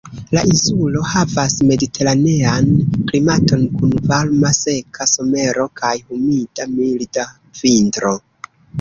La insulo havas mediteranean klimaton kun varma seka somero kaj humida, milda vintro.